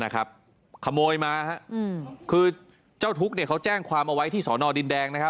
ขโมยมาคือเจ้าทุกข์เขาแจ้งความเอาไว้ที่สอนอดินแดง